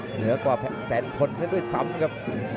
เหนือกว่าแสนคนซะด้วยซ้ำครับ